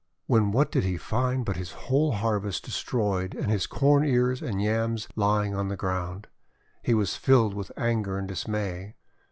When what did he find but his whole harvest destroyed and his Corn Ears and Yams lying on the ground! He was filled with anger and dismay.